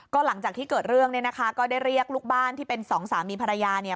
ก็หลังจากที่เกิดเรื่องเนี่ยนะคะก็ได้เรียกลูกบ้านที่เป็นสองสามีภรรยาเนี่ย